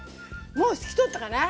もう透き通ったかな？